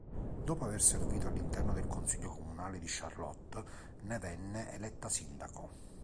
Dopo aver servito all'interno del consiglio comunale di Charlotte, ne venne eletta sindaco.